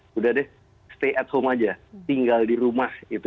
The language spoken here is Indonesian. sudah deh stay at home saja tinggal di rumah